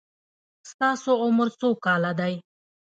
ستاسو عمر څو کاله دی؟